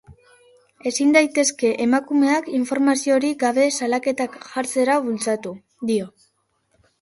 Ezin daitezke emakumeak informaziorik gabe salaketak jartzera bultzatu, dio.